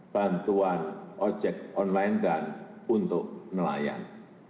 bantuan ojek online dan untuk nelayan